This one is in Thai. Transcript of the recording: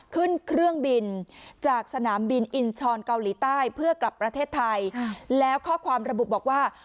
ขึ้นเครื่องบินจากสนามบินอินชรเกาหลีใต้เพื่อกลับประเทศไทยแล้วข้อความระบุบอกว่า